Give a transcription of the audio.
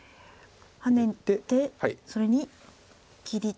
ハネてそれに切り。